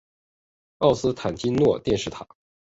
奥斯坦金诺电视塔。